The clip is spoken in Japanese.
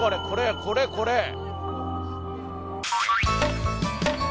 これこれこれ。